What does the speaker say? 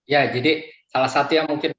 ya jadi salah satu yang mungkin